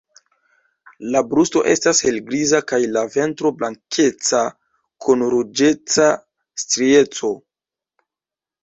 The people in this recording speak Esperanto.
La brusto estas helgriza, kaj la ventro blankeca kun ruĝeca strieco.